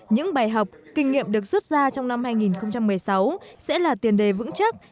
những bài học kinh nghiệm được rút ra trong năm hai nghìn một mươi sáu sẽ là tiền đề vững chắc